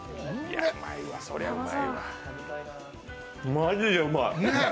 マジでうまい。